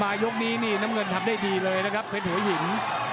ยกนี้นี่น้ำเงินทำได้ดีเลยนะครับเพชรหัวหิน